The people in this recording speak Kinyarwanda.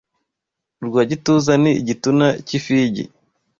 Urwa gituza ni igituna cy,ifigi